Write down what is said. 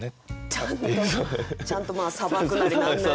ちゃんとちゃんとまあさばくなりなんなり。